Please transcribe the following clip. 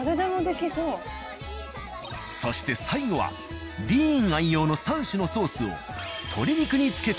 そして最後はディーン愛用の３種のソースをえっ何？